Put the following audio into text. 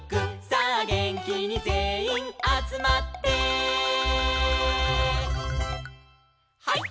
「さあげんきにぜんいんあつまって」「ハイ！